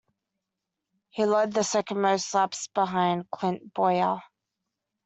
He led the second most laps behind Clint Bowyer.